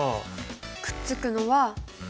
くっつくのはＡ。